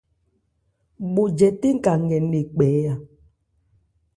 Bho jɛtɛn ka nkɛ nne kpɛ.